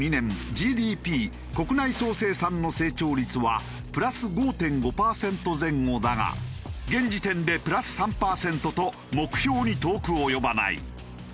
ＧＤＰ国内総生産の成長率はプラス５．５パーセント前後だが現時点でプラス３パーセントと目標に遠く及ばない。